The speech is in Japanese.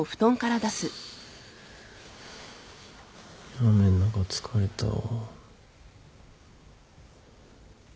雨ん中疲れたわ。